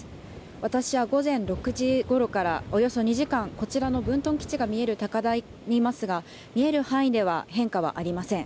私は午前６時ごろからおよそ２時間、こちらの分屯基地が見える高台にいますが見える範囲では変化はありません。